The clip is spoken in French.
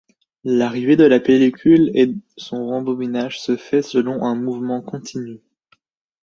L’arrivée de la pellicule et son rembobinage se fait selon un mouvement continu.